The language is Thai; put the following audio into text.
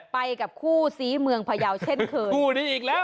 ไปกับคู่ศรีเมืองพยาวเช่นเขิน